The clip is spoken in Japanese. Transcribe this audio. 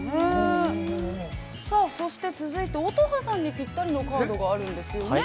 ◆そして続いて、乙葉さんにぴったりのカードがあるんですよね？